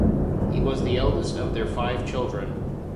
He was the eldest of their five children.